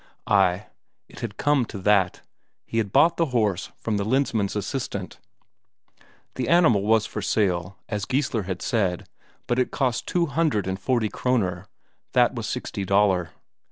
Ay, it had come to that; he had bought the horse from the Lensmand's assistant; the animal was for sale, as Geissler had said, but it cost two hundred and forty Kroner that was sixty Daler.